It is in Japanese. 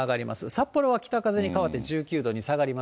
札幌は北風に変わって１９度に下